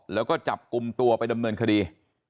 แล้วก็จับกลุ่มตัวไปดำเนินคดี